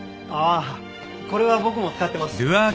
ああこれは僕も使ってます。